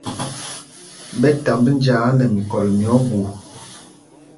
Ɓɛ tāmb njāā nɛ mikɔl mí ogu.